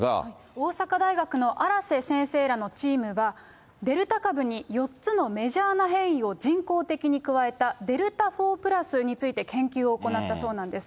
大阪大学の荒瀬先生らのチームが、デルタ株に４つのメジャーな変異を人工的に加えたデルタ４＋について研究を行ったそうなんです。